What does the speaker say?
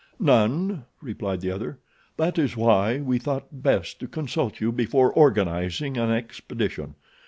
"None," replied the other. "That is why we thought best to consult you before organizing an expedition.